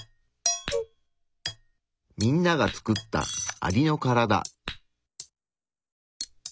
みんなが作ったアリのカラダ。